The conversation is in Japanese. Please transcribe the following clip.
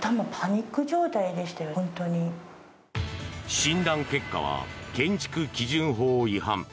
診断結果は建築基準法違反。